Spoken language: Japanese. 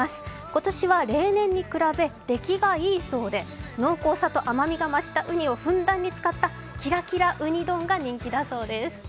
今年は例年に比べできがいいそうで、濃厚さと甘さが増したうにを使ったキラキラうに丼が人気だそうです。